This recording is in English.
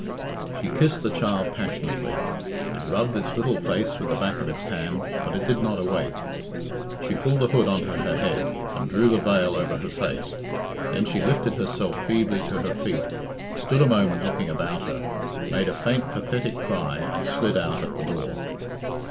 She kissed the child passionately. It rubbed its little face with the back of its hand, but it did not awake. She pulled the hood on to her head, and drew the veil over her face. Then she lifted herself feebly to her feet, stood a moment looking about her, made a faint pathetic cry and slid out at the door.